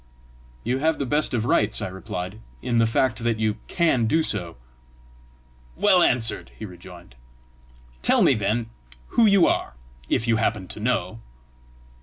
"You have the best of rights," I replied, "in the fact that you CAN do so!" "Well answered!" he rejoined. "Tell me, then, who you are if you happen to know."